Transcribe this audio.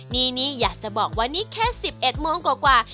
นี่อยากจะบอกว่านี่แค่๑๑โมงกว่า